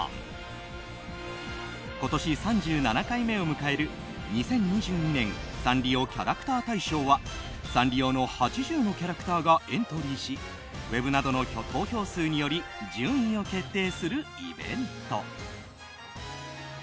今年、３７回目を迎える２０２２年サンリオキャラクター大賞はサンリオの８０のキャラクターがエントリーしウェブなどの投票数により順位を決定するイベント。